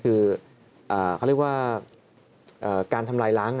กลายถึงว่าการทำลายร้าง